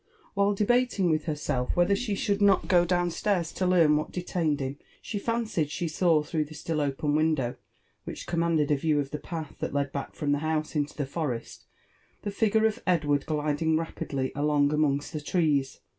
While drk)ating with herself wlielher she should not go down slair» to learn what detained him, she fancied she saw (hroogli the still open window, which commanded a view of the path (hailed from tho bad^ of the house into Uie forest, the figure of Edward gliding rapidly along amongst the trees.